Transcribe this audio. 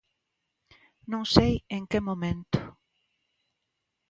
Non sei en que momento.